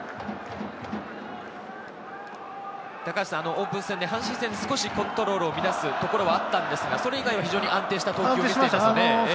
オープン戦で阪神戦、少しコントロールを乱すところはあったんですが、それ以外は非常に安定していましたね。